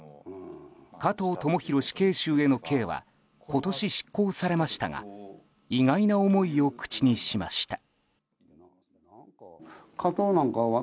加藤智大死刑囚への刑は今年、執行されましたが意外な思いを口にしました。